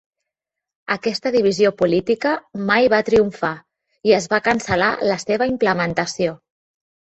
Aquesta divisió política mai va triomfar, i es va cancel·lar la seva implementació.